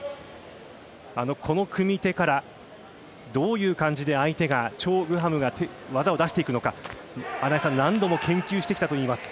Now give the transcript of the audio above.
この組み手から、どういう感じでチョ・グハムが技を出していくのか穴井さん、何度も研究してきたといいます。